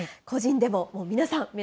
個人でも皆さん